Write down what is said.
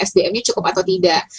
sdmnya cukup atau tidak